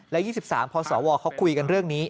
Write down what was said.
และ๒๓พศวเขาคุยกันเรื่องนี้